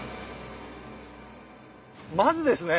まずですね